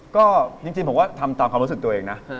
ก็จริงผมก็ทำตามความรู้สึกตัวเองนะ